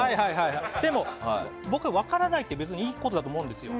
でも僕、分からないって別にいいことだと思うんですよ。